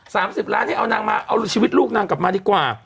สิบล้านให้เอานางมาเอาชีวิตลูกนางกลับมาดีกว่า